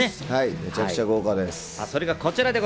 めちゃくちゃ豪華です。